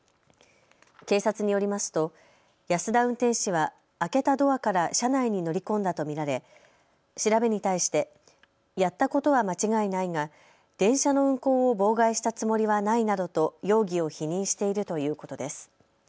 警察によりますと保田運転士は開けたドアから車内に乗り込んだと見られ調べに対してやったことは間違いないが電車の運行を妨害したつもりはないなどと容疑を否認しているということです。